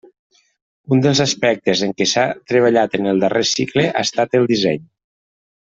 Un dels aspectes en què s'ha treballat en el darrer cicle ha estat el disseny.